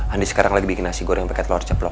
andi sekarang lagi bikin nasi goreng pake telor ceplok